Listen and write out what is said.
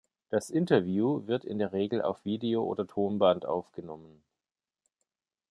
Das Interview wird in der Regel auf Video oder Tonband aufgenommen.